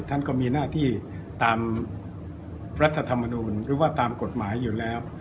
ท่านก็มีหน้าที่ตามรัฐธรรมนูลหรือว่าตามกฎหมายอยู่แล้ว